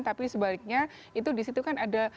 tapi sebaliknya itu disitu kan ada